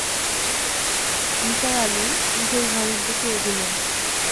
নিসার আলি নিজের ঘরের দিকে এগুলেন।